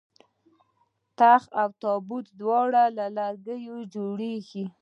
تخت او تابوت دواړه له لرګیو جوړیږي